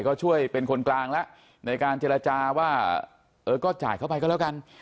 ก็ช่วยเป็นคนกลางแล้วในการเจรจาว่าเออก็จ่ายเข้าไปก็แล้วกัน